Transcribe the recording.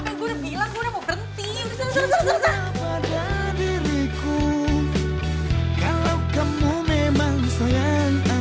gue tuh capek gue udah bilang gue udah mau berhenti